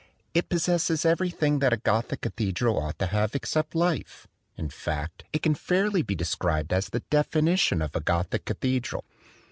"It possesses everything that a Gothic cathedral ought to have except life ! In fact, it can fairly be de scribed as the definition of a Gothic cathedral."